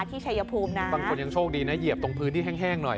ชัยภูมินะบางคนยังโชคดีนะเหยียบตรงพื้นที่แห้งหน่อย